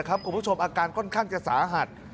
คุณผู้ชมอาการค่อนข้างจะสาหัส